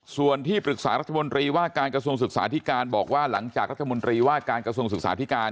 ส่วนที่ปรึกษารัฐมนตรีว่าการกระทรวงศึกษาที่การบอกว่าหลังจากรัฐมนตรีว่าการกระทรวงศึกษาธิการ